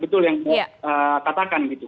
betul yang katakan